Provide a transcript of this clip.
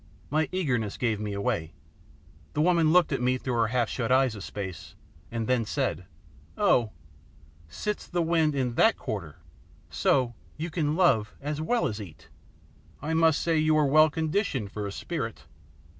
My eagerness gave me away. The woman looked at me through her half shut eyes a space, and then said, "Oh! sits the wind in THAT quarter? So you can love as well as eat. I must say you are well conditioned for a spirit."